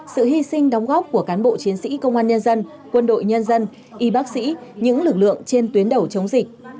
sự hy sinh đóng góp của cán bộ chiến sĩ công an nhân dân quân đội nhân dân y bác sĩ những lực lượng trên tuyến đầu chống dịch